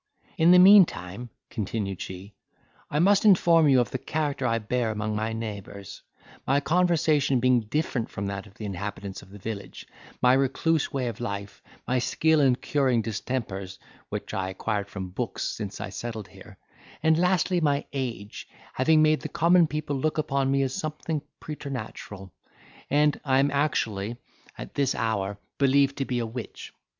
In the meantime," continued she, "I must inform you of the character I bear among my neighbours. My conversation being different from that of the inhabitants of the village, my recluse way of life, my skill in curing distempers, which I acquired from books since I settled here, and lastly, my age having made the common people look upon me as something preternatural, and I am actually, at this hour, believed to be a witch.